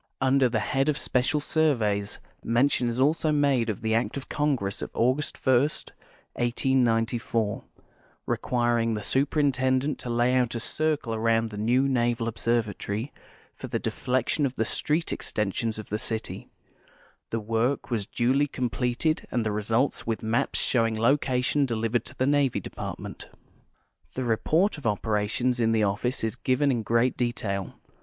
Under the head of special surveys, mention is also made of the act of Congress of August 1, 1894, requiring the Superintendent to lay out a circle around the new Naval Observatory for the deflection of the street extensions of the city ; the work was duly completed and the results with maps show ing location delivered to the Navy Department. The report of operations in the otflce is given in great detail.